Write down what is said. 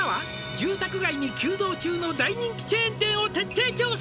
「住宅街に急増中の大人気チェーン店を徹底調査」